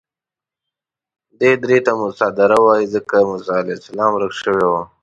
دې درې ته موسی دره وایي ځکه موسی علیه السلام ورک شوی و.